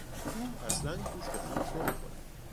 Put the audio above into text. او اصلا گوشت خوک نمیخورد.